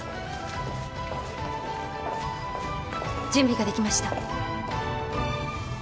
準備ができました。